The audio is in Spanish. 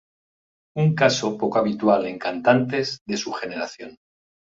Un caso poco habitual en cantantes de su generación.